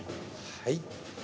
はい。